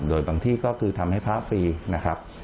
โดยบางที่ก็คือทำให้พระฟรีนะครับ